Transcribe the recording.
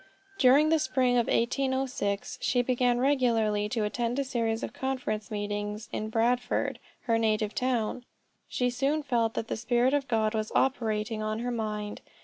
During the spring of 1806, she began regularly to attend a series of conference meetings in Bradford, her native town. She soon felt that the Spirit of God was operating on her mind.